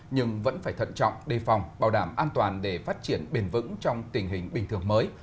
nhưng vẫn phải thận trọng đề phòng bảo đảm an toàn để phát triển bền vững trong tình hình bình thường mới